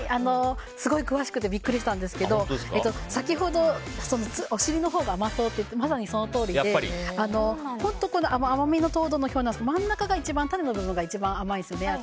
すごい詳しくてビックリしたんですけど先ほど、お尻のほうが甘そうって言ってましたがまさにそのとおりで甘みも糖度もそうなんですけど種の部分が一番甘いんですね。